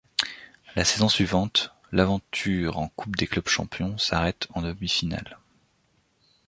La saison suivante, l'aventure en Coupe des clubs champions s'arrête en demi-finale.